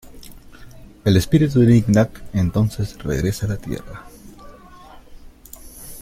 El espíritu de Nic-Nac entonces regresa a la Tierra.